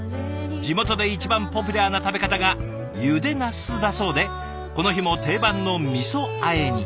地元で一番ポピュラーな食べ方がゆでなすだそうでこの日も定番の味あえに。